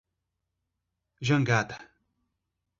Jangada